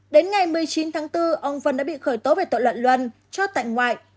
đến ngày một mươi chín tháng bốn ông vân đã bị khởi tố về tội loạn luân chót tại ngoại